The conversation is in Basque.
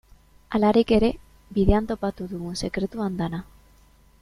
Halarik ere, bidean topatu dugun sekretu andana.